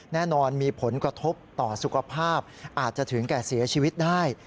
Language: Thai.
แน่นอนมีผลกระทบต่อสุขภาพอาจจะถึงแก่เสียชีวิตได้